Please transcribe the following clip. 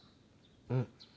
うん。